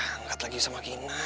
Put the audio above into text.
haruah diangkat lagi sama kinar